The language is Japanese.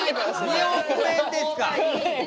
２億円ですか？